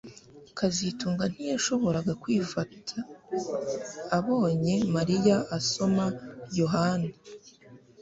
kazitunga ntiyashoboraga kwifata abonye Mariya asoma Yohana